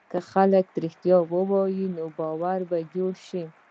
که خلک رښتیا ووایي، نو باور به جوړ شي.